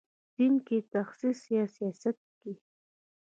دین کې تخصص یا سیاست کې.